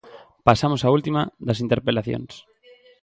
Pasamos á ultima das interpelacións.